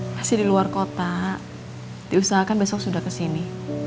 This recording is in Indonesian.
masih di luar kota diusahakan besok sudah kesini